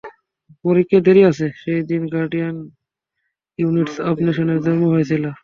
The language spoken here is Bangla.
সেই দিন, গার্ডিয়ান ইউনিটস অফ নেশনের জন্ম হয়েছিল।